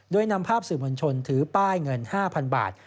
โดยนำภาพสื่อมวลชนถือป้ายเงิน๕๐๐๐บาท